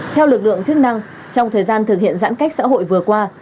theo lực lượng chức năng trong thời gian thực hiện giãn cách xã hội vừa qua